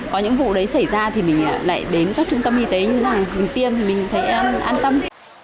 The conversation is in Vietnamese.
có những vụ đấy xảy ra thì mình lại đến các trung tâm y tế như thế này mình tiêm thì mình thấy an tâm